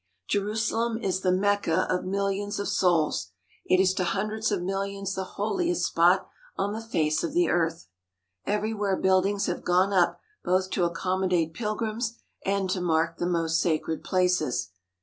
Jerusalem is the Mecca of millions of souls. It is to hundreds of millions the holiest spot on the face of the earth. Everywhere buildings have gone up both to ac commodate pilgrims and to mark the most sacred places.